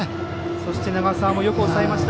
そして、よく抑えました。